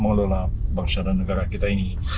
mengelola bangsa dan negara kita ini